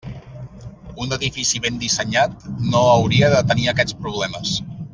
Un edifici ben dissenyat no hauria de tenir aquests problemes.